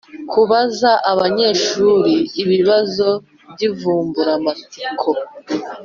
Kubaza abanyeshuri ibibazo by’ivumburamatsiko.